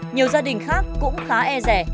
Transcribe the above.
nhiều gia đình khác cũng khá e rè